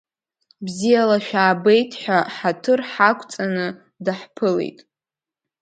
Бзиала шәаабеит ҳәа ҳаҭыр ҳақәҵаны даҳԥылеит.